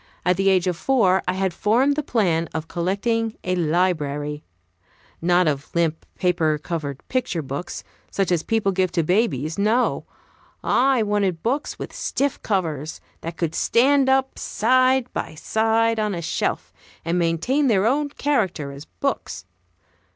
At the age of four I had formed the plan of collecting a library. Not of limp, paper covered picture books, such as people give to babies; no! I wanted books with stiff covers, that could stand up side by side on a shelf, and maintain their own character as books.